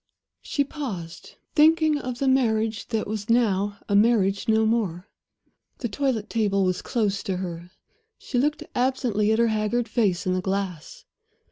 She paused, thinking of the marriage that was now a marriage no more. The toilet table was close to her; she looked absently at her haggard face in the glass.